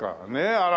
あら。